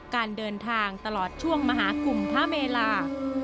การเดินทางตลอดช่วงมหากุมพระเมลา